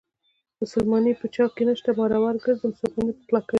مسلماني په چاكې نشته مرور ګرځم څوك مې نه پخولاكوينه